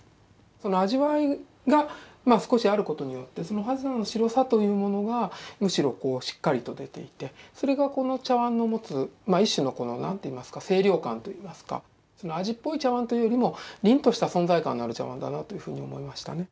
味わいが少しある事によってその肌の白さというものがむしろしっかりと出ていてそれがこの茶碗の持つ一種のこの何と言いますか清涼感といいますか味っぽい茶碗というよりも凛とした存在感のある茶碗だなというふうに思いましたね。